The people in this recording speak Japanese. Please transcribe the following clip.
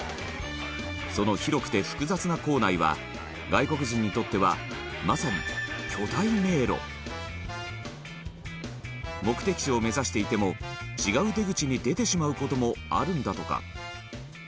その広くて複雑な構内は外国人にとってはまさに巨大迷路目的地を目指していても違う出口に出てしまう事もあるんだとか